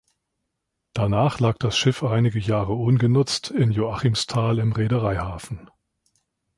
Danach lag das Schiff einige Jahre ungenutzt in Joachimsthal im Reedereihafen.